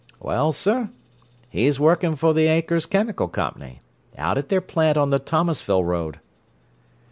Well, sir, he's working for the Akers Chemical Company, out at their plant on the Thomasvile Road."